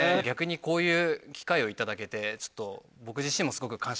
逆にこういう機会を頂けて僕自身もすごく。